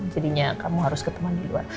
jadinya kamu harus ketemu di luar